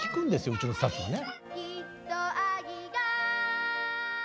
うちのスタッフがね。